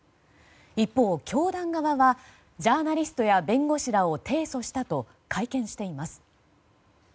一方、教団側はジャーナリストや弁護士らを提訴したと会見しています。